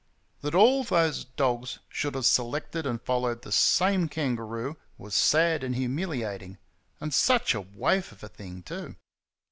That all those dogs should have selected and followed the same kangaroo was sad and humiliating. And such a waif of a thing, too!